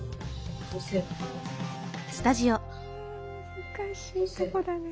難しいとこだな。